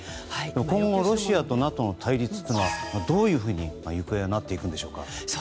今後、ロシアとＮＡＴＯの対立はどういうふうに行方はなっていくんでしょうか。